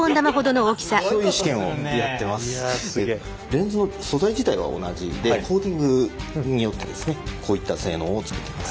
レンズの素材自体は同じでコーティングによってですねこういった性能をつけてます。